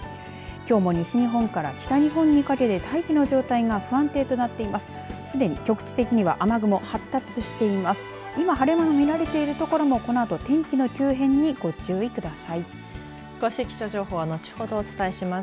きょうも西日本から北日本にかけて大気の状態が不安定となっています。